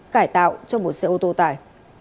cải tạo cho một xe ô tô tải